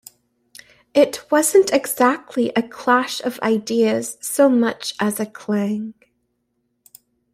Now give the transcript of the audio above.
It wasn't exactly a clash of ideas so much as a clang.